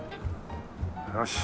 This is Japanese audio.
よし。